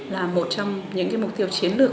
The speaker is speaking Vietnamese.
là một trong những mục tiêu chiến lược